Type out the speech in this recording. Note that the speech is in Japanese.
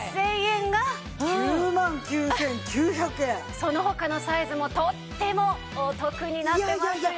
その他のサイズもとってもお得になってますよ。